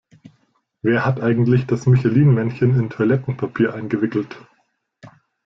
Wer hat eigentlich das Michelin-Männchen in Toilettenpapier eingewickelt?